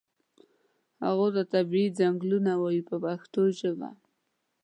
هغو ته طبیعي څنګلونه وایي په پښتو ژبه.